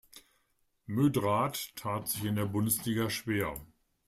Mödrath tat sich in der Bundesliga schwer.